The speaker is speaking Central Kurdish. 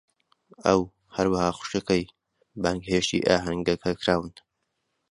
ئەو، هەروەها خوشکەکەی، بانگهێشتی ئاهەنگەکە کراون.